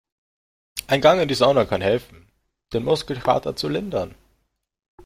Ein Gang in die Sauna kann helfen, den Muskelkater zu lindern.